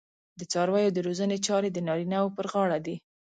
د څارویو د روزنې چارې د نارینه وو پر غاړه دي.